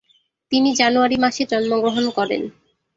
তিনি জানুয়ারি মাসে জন্মগ্রহণ করেন।